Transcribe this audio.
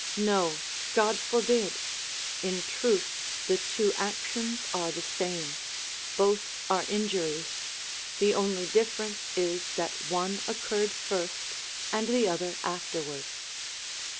No, God forbid ! In truth the two actions are the same ; both are injuries ; the only difference is that one occurred first, and the other afterwards.